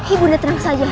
ibu tenang saja